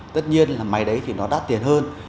tất nhiên là máy đấy thì nó đắt tiền hơn